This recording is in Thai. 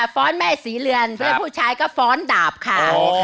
ฟ้อนแม่ศรีเรือนแล้วผู้ชายก็ฟ้อนดาบค่ะ